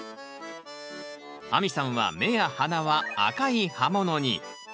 亜美さんは目や鼻は赤い葉ものに。